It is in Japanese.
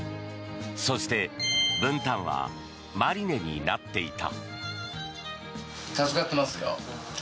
そして、ブンタンはマリネになっていた。